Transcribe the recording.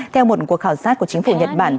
theo một cuộc khảo sát của chính phủ nhật bản